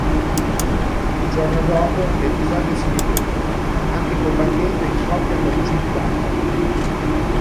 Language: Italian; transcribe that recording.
Il giorno dopo, l'episodio si ripete, anche combattendo in coppia con Jim Duggan.